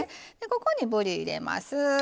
ここに、ぶり入れます。